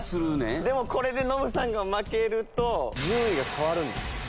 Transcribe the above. これでノブさんが負けると順位が変わるんです。